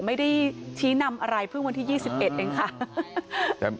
ไม่ได้ชี้นำอะไรเพิ่งวันที่๒๑เองค่ะ